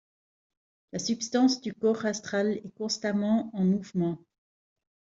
La substance du corps astral est constamment en mouvement.